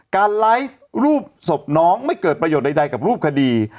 การไลฟ์รูปศพน้องไม่เกิดประโยชน์ใดกับรูปคดี